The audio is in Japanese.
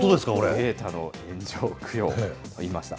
データの炎上供養って言いました。